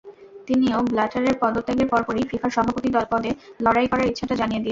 তিনিও ব্ল্যাটারের পদত্যাগের পরপরই ফিফার সভাপতি পদে লড়াই করার ইচ্ছাটা জানিয়ে দিয়েছেন।